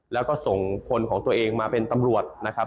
แล้วก็ส่งคนของตัวเองมาเป็นตำรวจนะครับ